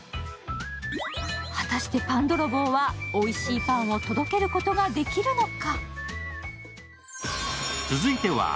果たして、パンどろぼうはおいしいパンを届けることができるのか。